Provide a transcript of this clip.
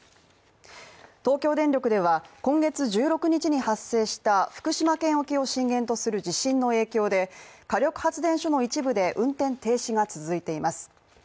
東京電力では今月１６日に発生した福島県沖を震源とする地震の影響で火力発電所の一部で運転停止が続いています。